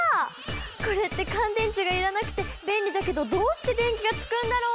これって乾電池が要らなくて便利だけどどうして電気がつくんだろう？